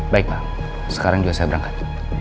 baik pak sekarang juga saya berangkat